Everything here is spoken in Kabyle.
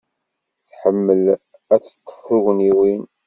Tḥemmel ad d-teḍḍef tugniwin.